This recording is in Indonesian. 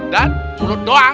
dan mulut doang